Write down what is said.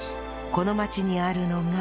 この町にあるのが